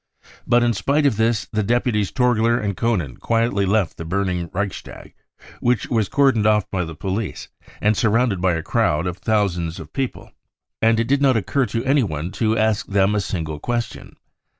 But in spite of this the deputies Torgler and Koenen quietly left the burning Reichstag, which was cordoned off by the police and surrounded by a crowd of thousands of people. And it did not occur to anyone to ask them a single question.